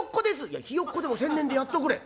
「いやひよっこでも千年でやっとくれ」。